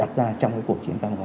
đặt ra trong cuộc chiến tâm gọi này